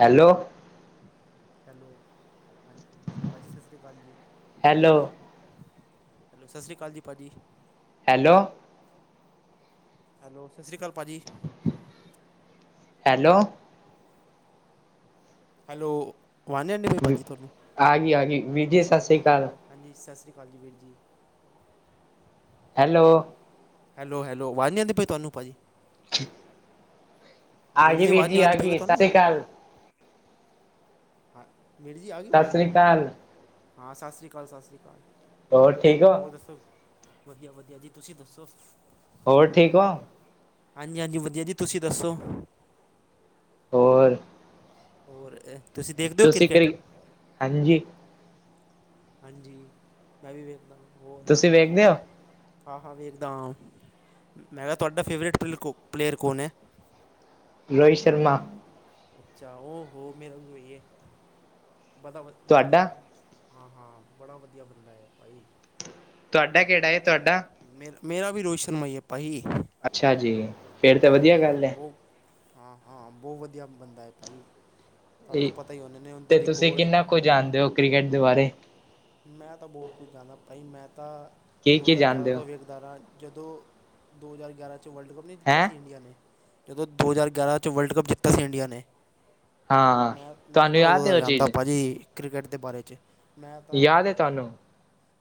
Hello hello ਹਾਂ ਭਾਜੀ ਸਤਿ ਸ਼੍ਰੀ ਅਕਾਲ ਜੀ ਹੈਲੋ ਹੈਲੋ ਸਤ ਸ਼੍ਰੀ ਅਕਾਲੀ ਭਾਅ ਜੀ ਹੈਲੋ। ਹੈਲੋ ਸਤਿ ਸ਼੍ਰੀ ਅਕਾਲ ਭਾਜੀ ਹੈਲੋ। ਹੈਲੋ ਆਵਾਜ਼ ਨੀ ਆਣ ਡਈ ਭਾਜੀ ਤੁਹਾਨੂੰ। ਆ ਗਈ ਆ ਗਈ ਵੀਰ ਜੀ ਸਤਿ ਸ੍ਰੀ ਅਕਾਲ ਹਾਂਜੀ ਸਤਿ ਸ਼੍ਰੀ ਅਕਾਲ ਜੀ ਵੀਰ ਜੀ। ਹੈਲੋ। ਹੈਲੋ ਹੈਲੋ ਆਵਾਜ਼ ਨਹੀਂ ਆਉਂਦੀ ਪਈ ਤੁਹਾਨੂੰ ਭਾਜੀ ਆ ਗਈ ਵੀਰ ਆਵਾਜ਼ ਨੀ ਜੀ ਆਂਦੀ ਪਈ ਆਗੀ ਸਤਿ ਤੁਹਾਨੂੰ ਸ੍ਰੀ ਆਕਾਲ। ਹਾਂ ਮੇਰੀ ਜੀ ਆ ਗਈ ਸਤਿ ਆਵਾਜ਼ ਸ੍ਰੀ ਅਕਾਲ ਹਾਂ ਸਤਿ ਸ਼੍ਰੀ ਅਕਾਲ ਸਤਿ ਸ਼੍ਰੀ ਅਕਾਲ। ਹੋਰ ਠੀਕ ਹੋ ਹੋਰ ਦੱਸੋ ਵਧੀਆ ਵਧੀਆ ਜੀ ਤੁਸੀਂ ਦੱਸੋ? ਹੋਰ ਠੀਕ ਹੋ? ਹਾਂਜੀ ਹਾਂਜੀ ਵਧੀਆ ਜੀ ਤੁਸੀਂ ਦੱਸੋ? ਹੋਰ ਹੋਰ ਇਹ ਤੁਸੀਂ ਕਰੀ ਹਾਂਜੀ ਹਾਂਜੀ ਮੈਂ ਵੀ ਵੇਖਦਾ ਹੋਰ ਤੁਸੀਂ ਵੇਖਦੇ ਹੋ ਤੁਹਾਡ ਹਾਂ ਹਾਂ ਵੇਖਦਾ ਮੈਂ ਕਿਹਾ ਤੁਹਾਡਾ ਫੇਵਰੇਟ ਪਲੇਅਰ ਕੋ ਪਲੇਅਰ ਕੌਣ ਹੈ? ਰੋਹਿਤ ਸ਼ਰਮਾ ਅੱਛਾ ਉਹ ਹੋ ਮੇਰਾ ਵੀ ਵਹੀ ਹੈ। ਬੜਾ ਵਧ ਤੁਹਾਡਾ ਵਧੀਆ ਹਾਂ ਹਾਂ ਬੜਾ ਵਧੀਆ ਬੰਦਾ ਹੈ ਭਾਈ ਤੁਹਾਡਾ ਬੜਾ ਕਿਹੜਾ ਤੁਹਾਡਾ ਮੇ ਮੇਰਾ ਵੀ ਰੋਸ਼ਨ ਮਈ ਅੱਪਾ ਜੀ ਅੱਛਾ ਜੀ। ਫੇਰ ਤਾਂ ਵਧੀਆ ਹਾਂ ਗੱਲ ਹੈ ਬਹੁਤ ਹਾਂ ਹਾਂ ਬਹੁਤ ਵਧੀਆ ਬੰਦਾ ਹੈ ਭਾਈ ਤੁਹਾਨੂੰ ਪਤਾ ਉਹਨਾਂ ਨੇ ਤੇ ਉਹਦੇ ਤੁਸੀਂ ਰਿਕਾਰਡ ਕਿੰਨਾ ਕੁ ਜਾਣਦੇ ਹੋ ਕ੍ਰਿਕਟ ਦੇ ਬਾਰੇ ਮੈਂ ਤਾਂ ਬਹੁਤ ਕੁਝ ਜਾਂਦਾ ਭਾਈ ਮੈਂ ਤਾਂ ਕੀ ਦੋ ਕੀ ਹਜ਼ਾਰ ਗਿਆਰਾਂ ਜਾਣਦੇ ਹੋ ਤੋਂ ਵੇਖ ਅਾਰਾ ਜਦੋਂ ਦੋ ਹਜ਼ਾਰ ਗਿਆਰਾਂ 'ਚ ਵਰਲਡ ਕੱਪ ਨਹੀਂ ਜਿੱਤਾ ਹੈਂ ਸੀ ਇੰਡੀਆ ਨੇ ਜਦੋਂ ਦੋ ਹਜ਼ਾਰ ਗਿਆਰਾਂ 'ਚ ਵਰਲਡ ਕੱਪ ਜਿੱਤਾ ਸੀ ਇੰਡੀਆ ਨੇ। ਹਾਂ ਮੈਂ ਮੈਂ ਤੁਹਾਨੂੰ ਤਾਂ ਉਦੋਂ ਯਾਦ ਹੈ ਦਾ ਉਹ ਜਾਂਦਾ ਚੀਜ਼ ਭਾਜੀ ਕ੍ਰਿਕਟ ਦੇ ਬਾਰੇ ਚ ਮੈਂ ਤਾਂ ਯਾਦ ਹੈ ਤੁਹਾਨੂੰ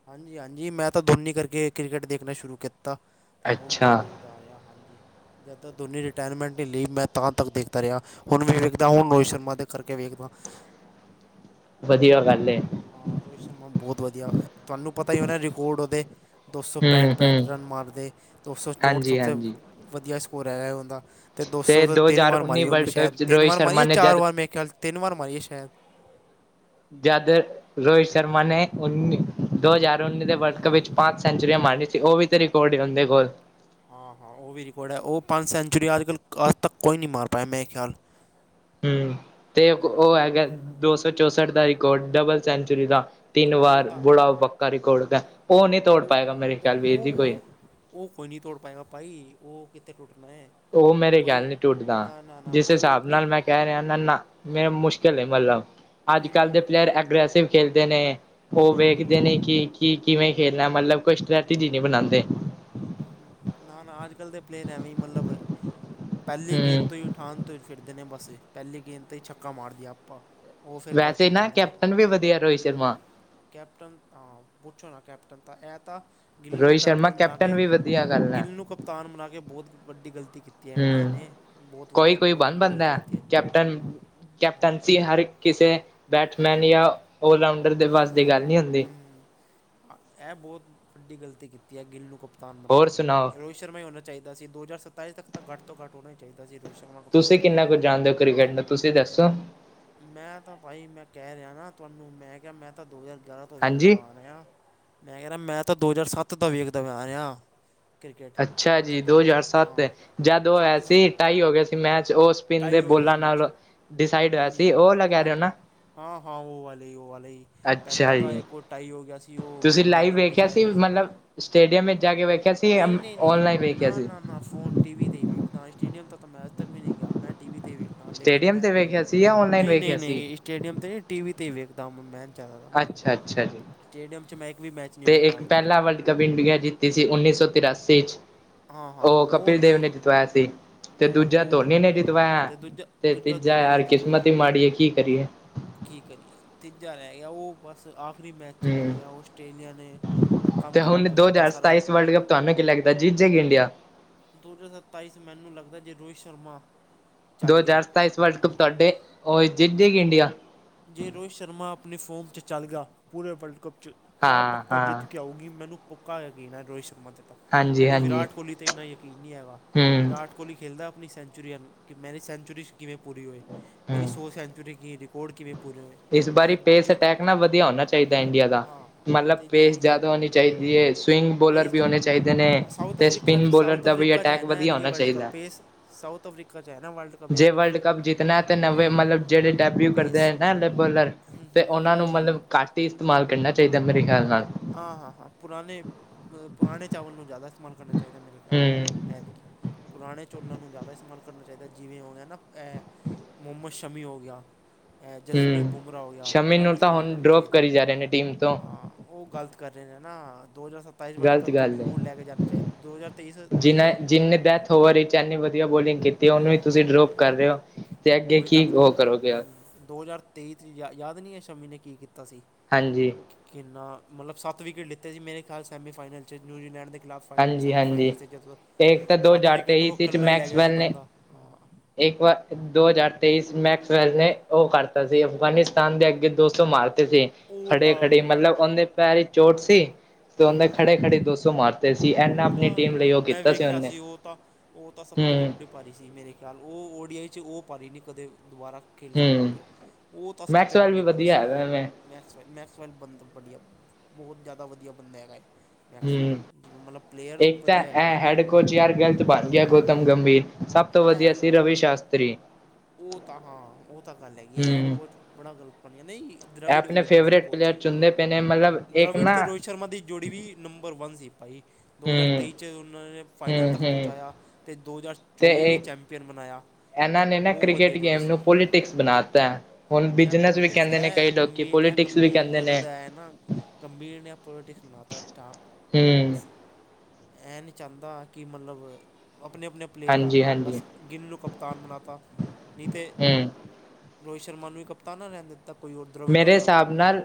ਹਾਂਜੀ ਹਾਂਜੀ ਮੈਂ ਤਾਂ ਦੋਨੀ ਕਰਕੇ ਕ੍ਰਿਕਟ ਦੇਖਣਾ ਸ਼ੁਰੂ ਕੀਤਾ ਅਤੇ ਹੁਣ ਤੱਕ ਅੱਛਾ ਦੇਖ ਤਾਰਿਆ ਹਾਂਜੀ ਜਦ ਤ ਦੋਨੀ ਰਿਟਾਇਰਮੈਂਟ ਨਹੀਂ ਲਈ ਮੈਂ ਤਾਂ ਤੱਕ ਦੇਖਦਾ ਰਿਹਾ ਹੁਣ ਵੀ ਵੇਖਦਾ ਹੁਣ ਰੋਹਿਤ ਸ਼ਰਮਾ ਦੇ ਕਰਕੇ ਵੇਖਦਾ ਵਧੀਆ ਗੱਲ ਏ। ਹਾਂ ਰੋਹਿਤ ਸ਼ਰਮਾ ਬਹੁਤ ਵਧੀਆ ਤੁਹਾਨੂੰ ਪਤਾ ਹੀ ਉਹੇ ਰਿਕਾਰਡ ਉਹਦੇ ਦੋ ਸੌ ਹੂੰ ਪੈਂਹਠ ਪੈਂਹਠ ਹੂੰ ਰਨ ਮਾਰਦੇ ਦੋ ਸੌ ਚੌਂਹਠ ਸਭ ਹਾਂਜੀ ਤੋਂ ਹਾਂਜੀ ਵਧੀਆ ਸਕੋਰ ਹੈਗਾ ਉਹਦਾ ਅਤੇ ਦੋ ਸੌ ਤੇ ਤੋਂ ਤਿੰਨ ਹਜ਼ਾਰ ਵਾਰ ਉੱਨੀ ਮਾਰੀ ਉਹਨੇ ਵਰਲਡ ਕੱਪ ਸ਼ਾਇਦ ਚ ਤਿੰਨ ਰੋਹਿਤ ਵਾਰ ਸ਼ਰਮਾ ਮਾਰੀਆਂ ਨੇ ਚਾਰ ਜਦ ਵਾਰ ਮੈਂ ਖਿਆਲ ਤਿੰਨ ਵਾਰ ਮਾਰਿਆ ਸ਼ਾਇਦ ਜਦ ਰੋਹਿਤ ਸ਼ਰਮਾ ਨੇ ਉੱਨੀ ਦੋ ਹਜ਼ਾਰ ਉੱਨੀ ਦੇ ਵਰਲਡ ਕੱਪ ਵਿੱਚ ਪੰਜ ਸੈਂਚਰੀਆਂ ਮਾਰਨੀ ਸੀ ਉਹ ਵੀ ਤੇਰੀ ਘੋੜੇ ਹਦੇ ਕੋਲ ਹਾਂ ਹਾਂ, ਉਹ ਵੀ ਰਕਾਰਡ ਆ ਉਹ ਪੰਜ ਸੈਂਚਰੀਆਂ ਅੱਜ ਕੱਲ ਅੱਜ ਤੱਕ ਕੋਈ ਨਹੀਂ ਮਾਰ ਪਾਇਆ ਮੈਂ ਖਿਆਲ ਹੂੰ, ਤੇ ਹਮ, ਉਹ ਹੈਗਾ ਦੋ ਸੌ ਚੌਸਠ ਦਾ ਰਿਕਾਰਡ ਡਬਲ ਸੈਂਚੁਰੀ ਦਾ। ਤਿੰਨ ਉਹ ਵਾਰ ਤਾਂ [unintelligible] ਪੱਕਾ ਰਿਕਾਰੋਡ ਉਹ ਨਹੀਂ ਤੋੜ ਉਹ ਪਾਏਗਾ ਮੇਰੇ ਉਹ ਖਿਆਲ ਵੀਰ ਜੀ ਉਹ ਕੋਈ। ਉਹ ਉਹ ਕੋਈ ਨਹੀਂ ਤੋੜ ਪਾਏਗਾ ਭਾਈ ਉਹ ਕਿੱਥੇ ਟੁੱਟਣਾ ਹੈ ਉਹ ਮੇਰੇ ਕੋਈ ਖਿਆਲ ਨ ਟੁੱਟਦਾ ਨਾ ਨਾ ਨਾ ਜਿਸ ਕੋਈ ਹਿਸਾਬ ਓਪਨਿੰਗ ਨਾਲ ਮੈਂ ਕਹਿ ਰਿਹਾ ਨਾ ਨਾ ਮੇਰਾ ਮੁਸ਼ਕਿਲ ਹੈ ਮਤਲਬ ਹਮ ਅੱਜ ਕੱਲ ਦੇ ਹਮ, ਪਲੇਅਰ ਐਗਰਸਿਵ ਖੇਲਦੇ ਨੇ ਉਹ ਹਾਂ ਵੇਖਦੇ ਨੇ ਕਿ ਕੀ ਕਿਵੇਂ ਖੇਲਣਾ ਮਤਲਬ ਕੋਈ ਸਟ੍ਰੈਟਜੀ ਨਹੀਂ ਬਣਾਉਂਦੇ ਨਾ ਨਾ ਅੱਜ ਕੱਲ੍ਹ ਦੇ ਪਲੇਅਰ ਐਵੇਂ ਹੀ ਮਤਲਬ ਪਹਿਲੀ ਗੇਮ ਹਮ ਤੋਂ ਹੀ ਉੱਠ ਉਠਾਣ ਤੋਂ ਹੀ ਫਿਰਦੇ ਨੇ ਬਸ ਪਹਿਲੀ ਗੇਦ ਤੇ ਹੀ ਛੱਕਾ ਮਾਰਦੀ ਆ ਆਪਾਂ। ਉਹ ਫਿਰ ਕੈਚ ਵੈਸੇ ਹੋ ਨਾ ਜਾਂਦੇ ਨੇ ਕੈਪਟਨ ਵੀ ਵਧੀਆ ਰੋਹਿਤ ਹੂੰ, ਸ਼ਰਮਾ। ਕੈਪਟਨ ਹਾਂ ਪੁੱਛੋ ਨਾ ਕੈਪਟਨ ਤਾਂ ਇਹ ਤਾਂ ਗਿੱਲ ਨੂੰ ਰੋਹਿਤ ਸ਼ਰਮਾ ਕੈਪਟਨ ਬਣਾ ਕੇ ਵੀ ਵਧੀਆ ਗੱਲ ਗਿੱਲ ਹੈ ਨੂੰ ਕਪਤਾਨ ਬਣਾ ਕੇ ਬਹੁਤ ਵੱਡੀ ਗਲਤੀ ਕੀਤੀ ਹੈ ਇੰਡੀਆ ਹਮ ਨੇ ਬਹੁਤ ਕੋਈ ਵੱਧੀ ਕੋਈ ਬਹੁਤ ਬਣ ਵੱਡੀ ਗਲਤੀ ਬੰਦਾ ਕੀਤੀ ਐ। ਕੈਪਟਨ, ਕੈਪਟਨਸੀ ਹਰ ਕਿਸੇ ਬੈਟਸਮੈਨ ਜਾਂ ਆਲ ਰਾਊਂਡਰ ਦੇ ਵਾਸਤੇ ਗੱਲ ਨਹੀਂ ਹੁੰਦੀ। ਇਹ ਬਹੁਤ ਵੱਡੀ ਗਲਤੀ ਕੀਤੀ ਐ ਗਿੱਲ ਨੂੰ ਕਪਤਾਨ ਬਣਾ ਹੋਰ ਕੇ ਸੁਣਾਓ ਰੋ ਹਿਤ ਸ਼ਰਮਾ ਹੋਣਾ ਚਾਹੀਦਾ ਸੀ। ਦੋ ਹਜ਼ਾਰ ਸਤਾਈ ਤੱਕ ਘੱਟ ਤੋਂ ਘੱਟ ਹੋਣਾ ਹੀ ਚਾਹੀਦਾ ਸੀ ਰੋਹਿਤ, ਸ਼ਰਮਾ ਕਪਤਾਨ ਤੁਸੀਂ ਕਿੰਨਾ ਕੁਝ ਜਾਣਦੇ ਓ ਕ੍ਰਿਕਟ ਨੂੰ ਤੁਸੀਂ ਦੱਸੋ? ਮੈਂ ਤਾਂ ਭਾਈ ਮੈਂ ਕਹਿ ਰਿਹਾ ਨਾ ਤੁਹਾਨੂੰ ਮੈਂ ਕਿਹਾ ਮੈਂ ਤਾਂ ਦੋ ਹਜ਼ਾਰ ਗਿਆਰਾਂ ਤੋਂ ਵੇਖਦਾ ਹਾਂਜੀ ਆ ਰਿਹਾ ਮੈਂ ਕਹਿ ਰਿਹਾ ਮੈਂ ਤਾਂ ਦੋ ਹਜ਼ਾਰ ਸੱਤ ਤੋਂ ਵੇਖਦਾ ਮੈਂ ਆ ਰਿਹਾ। ਕ੍ਰਿਕਟ ਅੱਛਾ ਜੀ, ਦੋ ਜਦੋਂ ਹਜ਼ਾਰ ਸੱਤ ਹਾਂ ਜਦ ਉਹ ਹੋਇਆ ਸੱਤ ਸੀ ਢਾਈ ਹੋ ਗਏ ਸੀ ਮੈਚ ਉਸ ਸਪਿੰਨ ਟਾਈ ਦੇ ਹੋ ਗਿਆ ਸੀ ਬੋਲਾਂ ਮੈਚ ਨਾਲ ਡਿਸਾਈਡ ਹੋਇਆ ਹਾਂਜੀ ਸੀ ਹਾਂਜੀ ਉਹ ਆਲਾ ਕਹਿ ਰਹੇ ਹੋ ਹਾਂਜੀ ਨਾ। ਹਾਂ ਹਾਂ, ਉਹ ਵਾਲੇ ਹੀ ਉਹ ਵਾਲੇ ਹੀ ਪਹਿਲਾਂ ਅੱਛਾ ਤਾਂ ਜੀ ਇਹ ਕੋ ਟਾਈ ਹੋ ਗਿਆ ਸੀ। ਸੀ ਉਹ ਤੁਸੀਂ ਬੋਲਾ ਲਾਈਵ ਨਾਲ ਵੇਖਿਆ ਡਿਸਾਇ ਗਿਆ ਸੀ। ਮਤਲਬ ਸਟੇਡੀਅਮ ਵਿੱਚ ਜਾ ਕੇ ਵੇਖਿਆ ਸੀ ਨਹੀਂ-ਨਹੀਂ, ਨਹੀਂ ਔਨਲਾਈਨ ਵੇਖਿਆ ਨਾ ਸੀ ਨਾ ਨਾ ਫੋਨ ਟੀ ਵੀ ਤੇ ਹੀ ਵੇਖਦਾ ਸਟੇਡੀਅਮ ਤੱਕ ਤਾਂ ਮੈਂ ਅੱਜ ਤੱਕ ਵੀ ਨਹੀਂ ਗਿਆ ਮੈਂ ਟੀ ਵੀ ਤੇ ਈ ਵੇਖਦਾ ਲੇਕਿਨ ਸਟੇਡੀਅਮ ਮੈਂ ਤੇ ਵੇਖਿਆ ਸੀ ਜਾਂ ਔਨਲਾਈਨ ਨਹੀਂ ਨਹੀਂ, ਵੇਖਿਆ ਸੀ ਨਹੀਂ ਸਟੇਡੀਅਮ 'ਤੇ ਨਹੀਂ ਟੀ ਵੀ ਤੇ ਈ ਵੇਖਦਾ ਮੈਂਚ ਜ਼ਿਆਦਾ ਨਾ। ਅੱਛਾ ਅੱਛਾ ਜੀ ਸਟੇਡੀਅਮ 'ਚ ਮੈਂ ਇੱਕ ਵੀ ਮੈਚ ਨਹੀਂ ਤੇ ਵੇਖਿਆ ਇੱਕ ਅੱਜ ਤੱਕ ਪਹਿਲਾ ਵਲਡ ਕੱਪ ਇੰਡੀਆ ਜਿੱਤੀ ਸੀ ਉੱਨੀ ਸੌ ਤਰਾਸੀ ਚ ਹਾਂ ਹਾਂ ਹਾਂ ਉਹ ਕਪਿਲ ਦੇਵ ਨਹੀਂ ਨੇ ਜਤਵਾਇਆ ਸੀ। ਤੇ ਉਹ ਦੂਜਾ ਧੋਨੀ ਨੇ ਉਹ ਹਾਂ ਜੀਤਵਾਇਆ ਅਤੇ ਦੂਜਾ ਤੇ ਦੂਜਾ ਤੀਜਾ ਧੋਨੀ ਨੇ ਯਾਰ ਜਿਤਵਾਇਆ ਕਿਸਿਮਤ ਈ ਮਾੜੀ ਏ ਕੀ ਕਰੀਏ। ਕੀ ਕਰੀਏ ਤੀਜਾ ਰਹਿ ਗਿਆ ਉਹ ਬਸ ਆਖਰੀ ਮੈਚ ਚ ਰਹਿ ਹੂੰ ਗਿਆ ਓ ਆਸਟ੍ਰੇਲੀਆ ਨੇ। ਕੰਮ ਤੇ ਖ਼ਰਾਬ ਹੁਣ ਕਰ ਦੋ ਦਿੱਤਾ ਹਜ਼ਾਰ ਸਾਰਾ ਸਤਾਈਸ ਵਰਲਡ ਕੱਪ ਤੁਹਾਨੂੰ ਕੀ ਲੱਗਦਾ ਜੀਤ ਜੇਗੀ ਇੰਡੀਆ। ਦੋ ਹਜ਼ਾਰ ਸਤਾਈ 'ਚ ਮੈਨੂੰ ਲੱਗਦਾ ਜੇ ਰੋਹਿਤ ਸ਼ਰਮਾ। ਦੋ ਚੱਲ ਗਿਆ ਹਜ਼ਾਰ ਸਤਾਈਸ ਵਰਲਡ ਕੱਪ ਤੁਹਾਡੇ ਉਹ ਜਿੱਤ ਜੇਗੀ ਇੰਡੀਆ। ਜੇ ਰੋਹਿਤ ਸ਼ਰਮਾ ਆਪਣੀ ਫੋਮ 'ਚ ਚੱਲਗਾ ਪੂਰੇ ਵਰਲਡ ਕੱਪ ਚ। ਤਾਂ ਪੱਕਾ ਜਿੱਤ ਹਾਂ-ਹਾਂ, ਕੇ ਆਊਗੀ ਮੈਨੂੰ ਪੱਕਾ ਯਕੀਨ ਐ ਰੋਹਿਤ ਸ਼ਰਮਾ ਤੇ ਤਾਂ ਮੈਨੂੰ ਹਾਂਜੀ-ਹਾਂਜੀ, ਵਿਰਾਟ ਕੋਹਲੀ ਤੇ ਇੰਨਾ ਯਕੀਨ ਕੀ ਨਹੀਂ ਹੈਗਾ ਵਿਰਾਟ ਹੂੰ-ਹੂੰ। ਕੋਹਲੀ ਖੇਲਦਾ ਆਪਣੀ ਸੈਂਚੁਰੀਨ ਕਿ ਮੇਰੀ ਸੈਂਚੁਰੀ 'ਚ ਕਿਵੇਂ ਪੂਰੀ ਹੋਏ ਮੇਰੀ ਸੌ ਸੈਂਚੁਰੀ ਕਿ ਰਿਕਾਰਡ ਕਿਵੇਂ ਪੂਰੇ ਹੋਏ। ਇਸ ਬਾਰੀ ਅਤੇ ਪੇਸ ਜੋ ਅਟੈਕ ਨਾ ਵਧੀਆ ਹੋਣਾ ਚਾਹੀਦਾ ਇੰਡੀਆ ਦਾ ਹਾਂ ਹਾਂ ਮਤਲਬ ਅਤੇ ਜੋ ਪੇਸ ਰੋਸ਼ ਜ਼ਿਆਦਾ ਹਾਂ ਹੋਣੀ ਚਾਹੀਦੀ ਐ ਸਵਿੰਗ ਬੋਲਰ ਪੇਸ ਵੀ ਹੋਣੇ ਜ਼ਿਆਦਾ ਚਾਹੀਦੇ ਨੇ ਹਾਂ ਸਾਊਥ ਤੇ ਅਫਰੀਕਾ ਸਪਿਨ 'ਚ ਬੋਲਰ ਸਾਊਥ ਦਾ ਵੀ ਅਫਰੀਕਾ 'ਚ ਹੈ ਅਟੈਕ ਨਾ ਵਧੀਆ ਐਤਕੀ ਹੋਣਾ ਵਰਲਡ ਕੱਪ ਚਾਹੀਦਾ। ਪੇਸ ਸਾਊਥ ਅਫਰੀਕਾ ਚ ਐ ਨਾ ਵਰਲਡ ਕੱਪ ਜੇ ਐਤਕੀ ਵਰਲਡ ਫੇ ਕੱਪ ਜਿੱਤਣਾ ਤੇ ਹੂੰ ਹੂੰ ਨਵੇਂ ਹੂੰ, ਮਤਲਬ ਜਿਹੜੇ ਡੈਬਿਊ [unintelligible] ਕਰਦੇ ਪੇਸ ਐ ਨਾ ਲੇਬਲਰ ਹੂੰ ਤੇ ਹੂੰ ਉਹਨਾਂ ਹੂੰ ਨੂੰ ਹੂੰ ਮਤਲਬ ਘੱਟ ਤੇ ਇਸਤੇਮਾਲ ਕਰਨਾ ਚਾਹੀਦਾ ਮੇਰੇ ਖਿਆਲ ਨਾਲ ਹਾਂ-ਹਾਂ, ਹਾਂ ਪੁਰਾਣੇ ਪੁਰਾਣੇ ਚਾਵਲ ਨੂੰ ਜ਼ਿਆਦਾ ਇਸਤੇਮਾਲ ਕਰਨਾ ਚਾਹੀਦਾ ਮੇਰੇ ਖਿਆਲ ਹੂੰ। ਐਤਕੀ ਪੁਰਾਣੇ ਚੋੱਲਾਂ ਨੂੰ ਜ਼ਿਆਦਾ ਇਸਤੇਮਾਲ ਕਰਨਾ ਚਾਹੀਦਾ ਜਿਵੇਂ ਹੋ ਗਿਆ ਨਾ ਐ ਮੁਹਮਦ ਸ਼ਮੀ, ਹੋ ਗਿਆ। ਇਹ ਜਸਪ੍ਰੀਤ ਬੂਮਰਾਹ, ਹੋ ਗਿਆ। ਇਹਨਾਂ ਨੂੰ ਇਸਤੇਮਾਲ, ਕਰਨਾ ਚਾਹੀਦਾ ਹਾਂ। ਉਹ ਗ਼ਲਤ, ਕਰ ਰਹੇ ਨੇ, ਨਾ। ਦੋ ਹਜ਼ਾਰ ਸੱਤ- ਗ਼ਲਤ ਗੱਲ ਹੈ। ਅ, ਜਿਨਾ ਜਿੰਹਨੇ ਡੈਥ ਹੋਵਰ ਵੀਚ, ਏਨੀ ਵਧੀਆ ਬੋਲਿੰਗ ਕੀਤੀ। ਤੇ ਉਹਨੂੰ ਹੀ, ਹਾਂ ਤੁਸੀਂ ਹਾਂ, ਡਰੋਪ ਕਰ ਰਹੇ ਹੋ। ਤੇ ਅੱਗੇ ਉਹੀ ਕੀ ਤਾਂ ਗੱਲ ਉਹ ਐ ਕਰੋਗੇ ਹੂੰ ਦੋ ਹਜ਼ਾਰ ਤੇਈ 'ਚ ਯਾ ਯਾਦ ਨਹੀਂ ਐ ਸ਼ਮੀ ਨੇ ਕੀ ਕੀਤਾ ਸੀ। ਹਾਂਜੀ ਕਿੰਨਾ ਮਤਲਬ ਸੱਤ ਵਿਕੇਟ ਲਿੱਤੇ ਸੀ ਮੇਰੇ ਖਿਆਲ ਸੈਮੀ ਫਾਈਨਲ 'ਚ ਨਿਊਜ਼ੀਲੈਂਡ ਦੇ ਅਗਲਾ ਫਾਈਨਲ ਹਾਂਜੀ ਸੈਮੀ ਹਾਂਜੀ ਫਾਈਨਲ 'ਤੇ ਜਦੋਂ ਇੱਕ ਤਾਂ ਦੋ ਸੱਤ ਹਜ਼ਾਰ ਵਿਕਟ ਉਹ ਤੇਈਸ ਵਿੱਚ ਕੱਲਾ ਹੀ ਲੈ ਗਿਆ ਸੀ ਮੈਕਸਵੈਲ ਨੇ ਬੰਦਾ ਹਾਂ ਇੱਕ ਵਾਰ ਦੋ ਹਜ਼ਾਰ ਤੇਈ ਚ ਮੈਕਸ ਵੈ ਨੇ ਉਹ ਕਰਤਾ ਸੀ। ਅਫਗਾਨਿਸਤਾਨ ਦੇ ਅੱਗੇ ਦੋ ਸੋ ਮਾਰਤੇ ਸੀ। ਉਹ ਖੜੇ ਤਾਂ ਖੜੇ ਮਤਲਬ ਉਹਦੇ ਪੈਰ ਚੋਟ ਸੀ ਤੇ ਉਹਦੇ ਖੜੇ ਖੜੀ ਦੋ ਸੋ ਮਾਰ ਉਹ ਤਾਂ ਮੈਂ ਵੇਖਿਆ ਸੀ ਉਹ ਤਾਂ ਉਹ ਤਾਂ ਸਭ ਤੋਂ ਹਮ ਵੱਡੇ ਭਾਰੀ ਸੀ ਮੇਰੇ ਖਿਆਲ ਉਹ ਓ ਡੀਆਈ 'ਚ ਉਹ ਰਾਰੀ ਨਹੀਂ ਕਦੇ ਦੁਬਾਰਾ। ਖੇਲ ਸਕਦਾ ਹਮ ਕੋਈ ਉਹ ਤਾਂ ਸਭ ਤੇ ਮੈਕਸਵੈਲ ਵੀ ਵੱਡੀ ਭਾਰੀ ਵਧੀਆ ਸੀ। ਹੈਗਾ ਮੈਂ ਮੈਕਸਵੈਨ ਮੈਕਸ ਵੈਨ ਬੰਦਾ ਵਧੀਆ ਬਹੁਤ ਜ਼ਿਆਦਾ ਵਧੀਆ ਬੰਦਾ ਹੈਗਾ ਮੈਕਸ ਵੈਨ। ਏ ਤਾਂ ਇਹ ਹੈਡ ਕੋਚ ਯਾਰ ਗਲਤ ਬਣ ਗਿਆ ਗੌਤਮ ਗੰਭੀਰ। ਸਭ ਤੋਂ ਇਹ ਵਧੀਆ ਹੈਡ ਸੀ। ਕੋਚ ਰਵੀ ਸ਼ਾਸਤਰੀ। ਉਹ ਤਾਂ ਹਾਂ, ਉਹ। ਤਕ, ਆਨੇ ਕੀ। ਐਡ ਹੂੰ ਕੋਚ ਬੜਾ ਗ਼ਲਤ ਬਣਿਆ ਨਹੀਂ। ਇਹ ਦ੍ਰਵਿੜ ਵੀ ਆਪਣੇ ਵਧੀਆ ਸੀ, ਫੇਵਰੇਟ ਕੋਚ। ਪਲੇਅਰ ਚੁਣਦੇ ਪਏ ਨੇ ਹਾਂ, ਮਤਲਬ ਇੱਕ ਦ੍ਰਵਿੜ ਤੇ ਨਾ ਰੋਹਿਤ ਸ਼ਰਮਾ ਦੀ ਜੋੜੀ ਵੀ। ਨੰਬਰ ਵਨ ਸੀ, ਭਾਈ। ਦੋ ਹਜ਼ਾਰ ਹੂੰ ਤੇਈ ਚ, ਉਹਨਾਂ ਨੇ ਫਾਈਨਲ ਹੂੰ ਤੱਕ, ਹੂੰ ਪਹੁੰਚਾਇਆ। ਤੇ ਦੋ ਹਜ਼ਾਰ ਤੇ ਚੌਵੀਵ ਵੀ, ਚੈਂਪਅਨ ਬਨਾਇਆ। ਇਹਨਾਂ ਨੇ ਨਾ ਬਹੁਤ ਵਧੀਆ ਕ੍ਰਿਕਟ ਜੋੜੀ ਗੇਮ ਸੀ। ਨੂੰ ਪੋਲੀਟਿਕਸ ਬਣਾਤਾ ਹੁਣ ਇਹ ਬਿਜਨਸ ਵੀ ਪੋਲੀਟਿਕਸ, ਕਹਿੰਦੇ ਨੇ ਇਹ ਕਈ ਲੋਕੀ ਗੰਭੀਰ ਇਹ। ਪੋਲੀਟਿਕਸ ਵੀ ਗੰਭੀਰ ਕਹਿੰਦੇ ਜਦੋ ਨੇ ਦਾ ਆਇਆ ਏ ਨਾ, ਗੰਭੀਰ ਨੇ ਪੋਲੀਟਿਕਸ ਬਨਾਤਾ ਟ ਹੂੰ ਬਸ, ਇਹ ਨਹੀਂ ਚਾਹੁੰਦਾ, ਕਿ ਮਤਲਬ ਆਪਣੇ- ਆਪਣੇ। ਪਲੇਅਰ ਆ ਹਾਂਜੀ ਆਨ ਹਾਂਜੀ ਬਸ, ਕਿਨੂੰ ਕਪਤਾਨ ਬਣਾ ਤਾ। ਨਹੀਂ ਤੇ, ਹੂੰ ਰੋਹਿਤ ਸ਼ਰਮਾ ਨੂੰ ਵੀ ਕਪਤਾਨ ਨਾ ਰਹਿਣ ਦਿੱਤਾ। ਕੋਈ ਹੋਰ ਦ੍ਰਵਿੜ ਮੇਰੇ ਹੁੰਦਾ ਤਾਂ ਹਿਸਾਬ ਨਾਲ,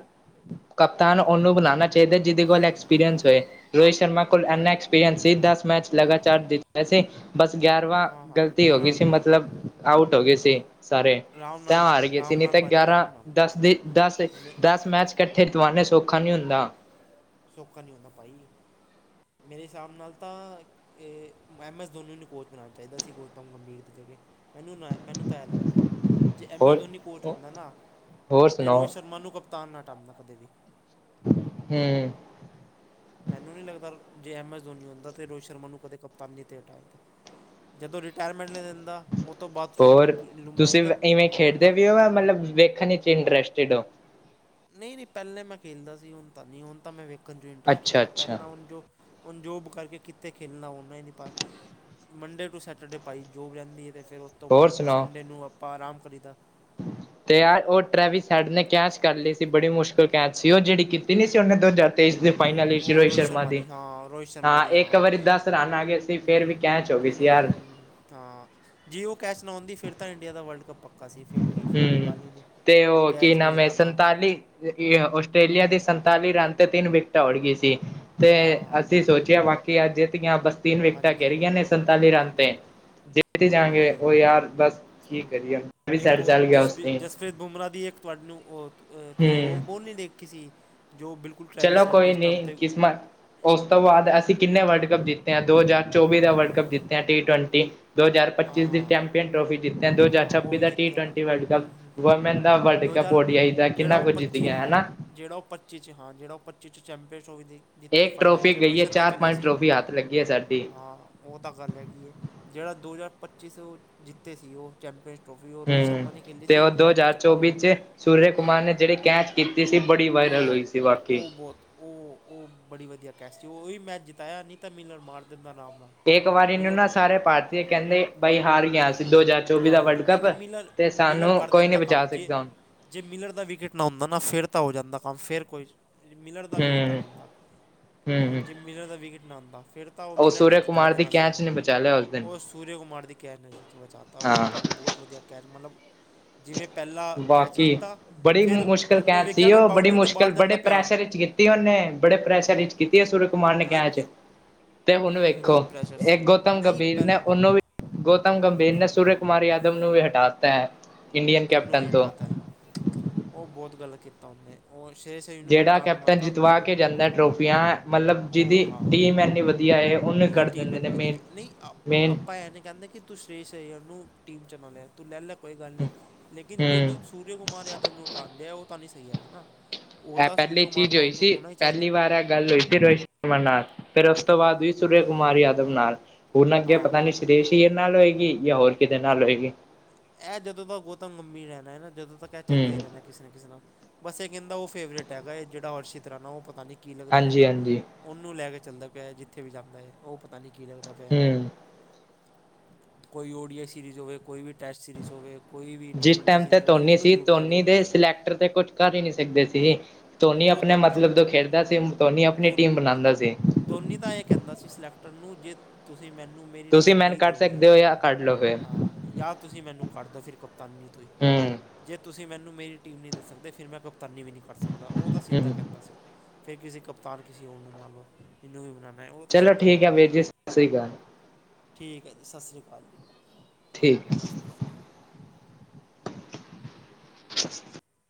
ਕਪਤਾਨ ਉਹਨੂੰ ਬਣਾਉਣਾ, ਚਾਹੀਦਾ ਜਿਹਦੇ ਕੋਲ ਐਕਸਪੀਰੀਅੰਸ ਹੋਏ। ਰੋਹਿਤ ਸ਼ਰਮਾ ਕੋਲ, ਇੰਨਾ ਐਕਸਪੀਰੀਅੰਸ ਸੀ। ਦਸ ਮੈਚ ਹਾਂ ਲਗਾਤਾਰ ਜੀਤਿਆ ਸੀ। ਬਸ ਗਿਆਰਵਾਂ, ਹਾਂ ਹਾਂ ਗ਼ਲਤੀ ਹੋ ਗਈ ਸੀ। ਆਰਾਮ ਨਾਲ ਮਤਲਬ। ਆਊਟ ਹੋ ਗਏ ਸੀ। ਸਾਰੇ ਰਾਮ ਤਾਂ, ਨਾਲ ਭਾ ਹਾਰ ਗਏ ਸੀ। ਰਾਮ ਨੀ ਨਾਲ ਤੇ ਭਾਜੀ ਗਿਆਰਾਂ ਰਾਮ ਨਾਲ ਦਸ ਦੇ ਦਸ। ਮੈਂ ਦਸ ਮੈਚ ਇਕੱਠੇ ਜਿਤਵਾਨੇ ਸੌਖਾ ਨਹੀਂ ਹੁੰਦਾ। ਸੌਖਾ ਨਹੀਂ ਹੁੰਦਾ, ਭਾਈ। ਮੇਰੇ ਹਿਸਾਬ ਨਾਲ ਤਾਂ ਇਹ, ਐੱਮ ਐੱਸ ਧੋਨੀ, ਨੂੰ ਕੋਚ ਬਣਾਉਣਾ ਚਾਹੀਦਾ ਸੀ। ਗੌਤਮ ਗੰਭੀਰ ਦੀ ਜਗਾ। ਮੈਨੂੰ ਨਾ ਮੈਨੂੰ ਤਾਂ, ਇਹ ਲੱਗਦਾ ਹੈ। ਜੇ ਐਮ ਐਸ ਹੋਰ ਧੋਨੀ, ਕੋਚ ਹੁੰਦਾ ਨਾ, ਹੋਰ ਤੇ ਸੁਣਾਓ ਰੋਹਿਤ ਸ਼ਰਮਾ ਨੂੰ ਕਪਨ ਤਾਂ ਨਾ ਹਟਾਉਂਦਾ ਕਦੇ ਵੀ। ਹੂੰ। ਮੈਨੂੰ ਨਹੀਂ ਲੱਗਦਾ, ਜੇ ਐਮ ਐੱਸ ਧੋਨੀ, ਹੋਣਦਾ ਤੇ ਰੋਹਿਤ ਸ਼ਰਮਾ ਨੂੰ ਕਦੇ ਕਪਤੀ ਤੇੇ ਹਟਾ ਦਿੰਦਾ ਆ। ਜਦੋਂ, ਰਿਟਾਇਰਮੈਂਟ ਲੈ ਲੈਂਦਾ। ਤੋਂ ਬਾਅਦ ਹੋਰ, ਸ਼ੁਭਨਮ ਗਿੱਲ ਨੂੰ ਤੁਸੀਂ ਮਨਾਈਦਾ ਇਵੇਂ ਖੇਡਦੇ ਪਰ ਵੀ ਹੋ? ਯਾ ਮਤਲਬ ਵੇਖਣ ਵਿਚ ਇੰਟਰਸਟਿਡ ਹੋ? ਨਹੀਂ- ਨਹੀਂ, ਪਹਿਲੇ ਮੈਂ ਖੇਲਦਾ ਸੀ। ਹੁਣ ਤਾਂ ਨਹੀਂ, ਹੁਣ ਤਾਂ ਮੈਂ ਵੇਖਣ ਇੰਟਰਸਟ ਅੱਛਾ ਅੱਛਾ ਪਹਿਲਾਂ ਹੁਣ ਜੋ। ਹੁਣ ਜੋਬ ਕਰਕੇ, ਕਿੱਥੇ ਖੇਲਣਾ ਹੋਨਾ ਹੀ, ਨਹੀਂ ਪਤਾ ਮੰਡੇ ਟੂ ਸੈਟਰਡੇ ਭਾਈ ਜੋਬ, ਵੀ ਰਹਿੰਦੀ ਹੈ। ਤੇ ਫੇਰ ਉਸ ਤੋਂ ਬਾਅਦ, ਹੋਰ ਆਪਣਾ ਸੁਣਾਓ ਸੰਡੇ ਨੂੰ ਆਪਾਂ ਆਰਾਮ ਕਰੀਦਾ। [inaudible] ਅਤੇ ਯਾਰ ਉਹ, ਟਰੈਵੀ ਸਾਈਡ ਨੇ, ਕੈਚ ਕਰ ਲਈ ਸੀ। ਬੜੀ ਮੁਸ਼ਕਲ ਕੈਚ ਸੀ। ਉਹ ਜਿਹੜੀ ਕੀਤੀ ਨਹੀਂ ਸੀ। ਉਹਨੇ ਦੋਜਾਰ ਤੇ ਫੇਰ ਫਾਈਨਲ, ਉਹ ਐਂਟਰੀ ਹੋਈ, ਉਹ ਰੋਹਿਤ ਸ਼ਰਮਾ ਦੀ, ਹਾਂ ਰੋਹਿਤ ਤਾ ਸ਼ਰਮਾ ਦੀ ਇੱਕ ਹਾਂ ਵਾਰੀ, ਦਸ ਰਨ ਆ ਗਏ ਸੀ। ਹੂੰ, ਫੇਰ ਵੀ ਕੈਚ ਹੋ ਹੂੰ- ਗਈ ਹੂੰ, ਸੀ ਯਾਰ ਹੂੰ- ਹੂੰ, ਹਾਂ ਜੇ ਉਹ ਕੈਚ ਨਾ ਹੁੰਦੀ ਫੇਰ ਤਾਂ, ਇੰਡੀਆ ਦਾ ਵਰਲਡ ਕੱਪ ਪੱਕ- ਹੂੰ, ਤੇ ਉਹ ਕੀ ਕੈਚ ਨਾਮ ਨਹੀਂ ਹੈ। ਰਾਤਾ ਸੰਤਾਲੀ ਆਸਟ੍ਰੇਲੀਆ ਦੀ ਸੰ- ਤਾਲੀ ਰਨ ਤੇ, ਤਿੰਨ ਵਿਕਟਾਂ ਉੜ ਗਈ ਸੀ। ਤੇ ਹਾਂ ਹਾਂ ਅਸੀਂ ਹਾਂ ਸੋਚਿਆ, ਬਾਕੀ ਅੱਜ ਜਿੱਤੇ ਆ, ਬਸ। ਤਿੰਨ ਵਿਕਟਾਂ, ਗਿਰ ਹਾਂਜੀ ਰੀਆਂ ਨੇ, ਸੰਤਾਲੀ ਰਨ ਹਾਂਜੀ ਤੇ। ਹਾਂਜੀ ਜਿੱਤ ਹੀ ਜਾਣਗੇ, ਹਾਂਜੀ ਉਹ ਯਾਰ ਬਸ- ਕੀ ਕਰੀਏ- ਵੀ ਇੱਕ ਸਾਈਡ ਉਹ, ਚੱਲ ਗਿਆ ਉਸ ਜਸਪ੍ਰ ਨੇ ਜਸਪ੍ਰੀਤ ਬੁਮਰਾਹ, ਦੀ ਇੱਕ ਤੁਹਾਡੇ ਨੂੰ, ਉਹ, ਉਹ ਤੁਸੀਂ ਉਹ ਹੂੰ ਬੋਲ ਨਹੀਂ ਦੇਖੀ ਸੀ। ਜੋ, ਬਿਲਕੁ- ਚਲੋ ਕੋਈ ਨੀ, ਕਿਸਮਤ, ਉਸ ਤੋਂ ਬਾਅਦ, ਹਾਂ ਅਸੀਂ ਕਿੰਨੇ ਵਰਲਡ ਕੱਪ ਜਿੱਤ- ਤੇ ਆ। ਦੋ ਹਜ਼ਾਰ ਚੌਵੀ, ਦਾ ਵਰਲਡ ਕੱਪ ਜਿੱਤਿਆ, ਟੀ ਟਵੈਂਟੀ। ਦੋ ਹਜ਼ਾਰ ਪੱਚੀ ਦੀ ਹਾਂ ਚੈਂਪੀਅਨ ਟਰੋਫੀ- ਜਿੱਤਿਆ। ਦੋ ਹਜ਼ਾਰ ਹਾਂ ਉਹ ਛੱਬੀ, ਵੀ ਦਾ ਟੀ ਜਿੱਤਿਆ ਟਵੈਂਟੀ, ਵਰਲਡ ਕੱਪ ਹੂੰ ਹੂੰ ਹੂੰ [unintelligible] ਦਾ ਵਰਲਡ ਕੱਪ ਓਡੀਆਈ ਜਿਹੜਾ ਕਿੰਨਾ ਉਹ ਕੁਝ ਜਿੱਤ ਗਿਆ। ਹਨਾ। ਜਿਹੜਾ ਉਹ ਪੱਚੀ ਚ, ਹਾਂ ਜਿਹੜ ਉਹ ਪੱਚੀ ਚ ਚੈਂਪੀਅਸ, ਔ ਵੀ- ਜਿੱਥੇ ਇੱਕ ਫਾਈਨਲ ਟਰੋਫੀ ਚ। ਰੋਹਿਤ ਗਈ ਹੈ ਸ਼ਰਮਾ ਹੀ ਚਾਰ ਚੱਲਿਆ ਪੰਜ ਸੀ, ਟਰੋਫੀ ਹੱਥ ਲੱਗੀ ਹੈ ਸਾਡੀ ਹਾਂ। ਉਹ ਤਾਂ, ਗੱਲ ਹੈਗੀ ਐ। ਜਿਹੜਾ ਦੋ ਹਜ਼ਾਰ ਪੱਚੀ ਸੇ ਉਹ ਜਿੱਤੇ ਸੀ। ਉਹ ਚੈਂਪੀਅਨ- ਹੂੰ, ਤੇ ਉਹ ਦੋ ਹਜ਼ਾਰ ਪਾਰੀ ਚੌਵੀ ਚ, ਸੂਰਜ ਹਾਂ ਕੁਮਾਰ ਨੇ ਜਿਹੜੀ ਕੈਚ ਕੀਤੀ ਸੀ। ਬੜੀ ਵਾਇਰਲ ਉਹ ਹੋਈ ਸੀ। ਸੀ। ਬਾਕੀ ਉਹ ਬਹੁਤ ਉਹ ਉਹ ਬੜੀ ਵਧੀਆ ਕੈਸ ਸੀ, ਉਹੀ ਮੈ ਜਿਤਾਇਆ ਨਹੀਂ ਤਾਂ ਮਿਲਨ ਮਾਰ ਦਿਣ ਦਾ ਨਾਮ ਨਾਲ ਇੱਕ ਵਾਰੀ ਨੂੰ ਮਿਲਰ ਨਾ ਸਾਰੇ ਭਾਰਤੀ ਕਹਿੰਦੇ ਬਾਈ ਹਾਰ ਗਿਆ ਸੀ, ਦੋ ਹਜ਼ਾਰ ਚੌਵੀ ਹਾਂ ਦਾ ਹਾਂ ਵਰਲਡ ਨਹੀਂ ਕੱਪ ਨਹੀਂ ਮਿਲਰ ਤੇ ਮਿਲਰ ਸਾਨੂੰ ਕਰ ਕੋਈ ਨੀ ਦਿੰਦਾ ਬਚਾ ਕੰਮ ਜੇ ਸਕਦਾ ਜੇ ਮਿਲਰ ਦਾ ਵਿਕਟ ਨਾ ਹੁੰਦਾ, ਨਾ ਫਿਰ ਤਾਂ ਹੋ ਜਾਂਦਾ ਕੰਮ ਫਿਰ ਕੋਈ ਮਿਲਰ ਦਾ ਵਿਕਟ ਆ ਹੂੰ, ਜਾਂਦਾ, ਹੂੰ ਜੇ ਮਿਲਰ ਦਾ ਵਿਕਟ ਨਾ ਆਉਂਦਾ ਫਿਰ ਤਾਂ ਉਹ ਮਿਲਣ ਨੇ ਸੂਰਯ ਜਿਤਾ ਕੁਮਾਰ ਦੀ ਦੇਣਾ ਸੀ, ਕੈਚ ਨੇ ਬਚਾ ਲਿਆ ਦਿਨ। ਉਸ ਸੂਰੁ ਕੁਮਾਰ ਦੀ ਕੈਚ ਨੇ [unintelligible] ਬਚਾਤਾ ਉਹ ਹਾਂ। ਤਾਂ ਬਹੁਤ ਵਧੀਆ ਕੈਚ ਮਤਲਬ ਜਿਵੇਂ ਪਹਿਲਾ ਕੈਚ ਬਾਕੀ ਲਿੱਤਾ, ਬੜੀ ਫਿਰ ਮੁਸ਼ਕਿਲ ਉਹਨੂੰ ਕੈਚ ਵੇਖਿਆ ਸੀ ਮੈਂ ਉਹ ਬੜੀ ਬਾਊਂਡਰੀ 'ਤੇ ਮੁਸ਼ਕਿਲ ਬਾਹਰ ਬੜੇ ਜਾਂਦਾ ਪਿਆ। ਪ੍ਰੈਸ਼ਰ ਵਿੱਚ ਕੀਤੀ ਉਹਨੇ ਬੜੇ ਪ੍ਰੈਸ਼ ਹਾਂ ਚ ਕੀਤੀ ਸੂਰਅ ਕੁਮਾਰ ਨੇ ਕੈਚ ਹਾਂਜੀ ਤੇ ਹੁਣ ਹੂੰ ਵੇਖੋ, ਬਹੁਤ ਪ੍ਰੈਸ਼ਰ ਇਹ ਸੀ ਗੌਤਮ ਨਹੀਂ ਗੰਭੀਰ ਪਹਿਲ ਨੇ ਹਾਂ ਉਹਨੂੰ ਵੀ- ਗੌਤਮ ਗੰਭੀਰ ਨੇ ਸੂਰ ਕੁਮਾਰ ਯਾਦਵ ਨੂੰ ਵੀ ਹਟਾ ਤਾ ਐ ਇੰਡੀ- ਉਹਨੂੰ ਵੀ ਹਟਾ ਤਾ ਉਹ ਬਹੁਤ ਗਲਤ ਕੀਤਾ ਉਹਨੇ, ਉਹ ਛੇ ਸਹੀ ਨੂੰ ਜਿਹੜਾ ਕਪਤਾਨ ਲਾ ਕੈਪਟਨ ਤਾ ਜਿਤਵਾ ਕੇ ਜਾਂਦਾ ਹਾਂ। ਟਰੋਫੀਆਂ ਮਤਲਬ ਜਿਹਦੀ ਉਹ ਹਾਂ ਟੀਮ ਇੰਨੀ ਵਧੀਆ ਹੈ ਉਹਨੂੰ ਇਹਦੀ ਕੱਢ ਟੀਮ ਦਿੰਦੇ ਐਨੀ ਨੇ ਵਧੀਆ, ਮੇਨ ਨਹੀਂ ਅ ਮੇਨ ਆਪਾਂ ਇਹ ਨੀ ਕਹਿੰਦੇ ਕਿ ਤੂੰ ਸੁਰੇਸ਼ ਅਈਅਰ ਨੂੰ ਟੀਮ ਚ ਨਾ ਲੈ ਤੂੰ ਲੈਲਾ ਕੋਈ ਗੱਲ ਨੀ, ਲੇਕਿਨ ਜੋ ਹੂੰ ਤੂੰ ਸੂਰਿਆ ਕੁਮਾਰ ਯਾਦਵ ਨੂੰ ਹਟਾਦੇ ਦਿਆ, ਉਹ ਤਾਂ ਨੀ ਸਹੀ ਹੈਗਾ ਨਾ। ਉਹ ਐ ਤਾਂ ਸੂਰਿਆ ਪਹਿਲੀ ਕੁਮਾਰ ਚੀਜ਼ ਤਾਂ ਹੋਈ ਉਹ ਤੋਂ ਸੀ, ਹੋਣਾ ਹੀ ਚਾਹੀਦਾ ਪਹਿਲੀ ਵਾਰ ਇਹ ਗੱਲ ਹੋਈ ਸੀ ਰੋ [unintelligible] ਨਾਲ, ਫਿਰ ਉਸ ਤੋਂ ਬਾਅਦ ਵੀ ਸੂਰਅ ਹੂੰ ਕੁਮਾਰ ਹੂੰ ਯਾਦਵ ਨਾਲ, ਹੋਣ ਲੱਗ ਗਿਆ ਹਾਂ ਪਤਾ ਨੀ ਹਾਂ ਸਰੇਸ਼ ਤੇਰ ਨਾਲ ਹੋਏਗੀ, ਜਾਂ ਹੋਰ ਕਿਦੇ ਨਾਲ ਹੋਏਗੀ। ਇਹ ਜਦੋਂ ਤੱਕ ਗੋਤਮ ਗੰਭੀਰ ਹੈ, ਨਾ ਜਦੋਂ ਤੱਕ ਇਹ ਚੱਲਦੇ ਹੂੰ ਰਹਿਣਾ- ਕਿਸੇ ਨਾ ਕਿਸੇ, ਨਾਲ ਬਸ ਇਹ ਕਹਿੰਦਾ ਉਹ ਫੇਵਰੇਟ ਹੈਗਾ, ਇਹ ਜਿਹੜਾ ਸ਼ਿਤਰਾਣਾ ਉਹ ਪਤਾ ਨੀ ਕੀ ਲੱਗਦਾ ਹਾਂਜੀ ਇਹਦਾ। ਹਾਂਜੀ ਉਹਨੂੰ ਲੈ ਕੇ ਚੱਲਦਾ ਪਿਆ, ਜਿੱਥੇ ਵੀ ਜਾਂਦਾ ਏ ਉਹ ਪਤਾ ਨੀਂ ਕੀ ਲੱਗਦਾ ਪਿਆ ਐਹਦਾ। ਹੂੰ ਕੋਈ ਓ ਡੀਆਈ ਸੀਰੀਜ਼ ਹੋਵੇ, ਕੋਈ ਵੀ ਟੈਸਟ ਸੀਰੀਜ਼ ਹੋਵੇ, ਕੋਈ ਵੀ ਟੀ ਜਿਸ ਟਵੈਂਟੀ ਟਾਈਮ ਤੇ ਸੀਰੀਜ਼ ਹੋਵੇ ਧੋਨੀ ਉਹਨੂੰ ਸੀ ਜ਼ਰੂਰ ਧੋਨੀ ਕੱਢੂਗਾ ਦੇ ਸਿਲੈਕਟਰ ਤੇ ਕੁਛ ਕਰ ਹੀ ਨਹੀਂ ਸਕਦੇ ਸੀ। ਧੋਨੀ ਉਹ ਆਪਣੇ ਤਾਂ ਕੁਛ ਕਰ ਮਤਲਬ ਜੋ ਖੇਡਦਾ ਸੀ, ਧੋਨੀ ਆਪਣੀ ਟੀਮ ਬਣਾਦਾ ਸੀ। ਦੋਨੀ ਤਾਂ ਐ ਕਹਿੰਦਾ ਸੀ, ਸਿਲੈਕਟਰ ਨੂੰ ਜੇ ਤੁਸੀਂ ਮੈਨੂੰ ਮੇਰੀ ਤੁਸੀਂ ਟੀਮ ਮੈਨ ਨਹੀਂ ਕੱਢ ਦੋਗੇ ਸਕਦੇ ਹੋ ਜਾਂ ਕੱਢ ਲਓ ਫਿਰ ਜਾਂ ਤੁਸੀਂ ਮੈਨੂੰ ਕੱਢ ਦੋ ਫਿਰ ਕਪਤਾਨੀ ਤੁਸੀ ਹੂੰ ਜੇ ਤੁਸੀਂ ਮੈਨੂੰ ਮੇਰੀ ਟੀਮ ਨਹੀਂ ਦੇ ਸਕਦੇ, ਫਿਰ ਮੈਂ ਕਪਤਾਨੀ ਵੀ ਨਹੀਂ ਕ ਕਰ ਸਕਦਾ ਉਹ ਤਾਂ ਸਿੱਧਾ ਹੂੰ ਕਹਿੰਦਾ ਸੀ, ਫਿਰ ਕਿਸੇ ਕਪਤਾਨ ਕਿਸੇ ਹੋਰ ਨੂੰ ਬਣਾ ਲਓ। ਮੈਨੂੰ ਕਿਉ ਬਨਾਣਾ ਐ, ਉਹ ਤਾਂ ਚਲੋ ਸਿੱਧਾ ਠੀਕ ਹੈ ਕਹਿੰਦਾ ਵੀਰ ਸੀ, ਜੀ ਸਤਿ ਸ੍ਰੀ ਅਕਾਲ ਠੀਕ ਹੈ ਜੀ ਸਾਸਰੀ ਸ਼੍ਰੀ ਅਕਾਲ ਜੀ। ਠੀਕ। [unintelligible]